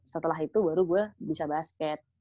setelah itu baru gue bisa basket